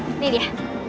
nah ini dia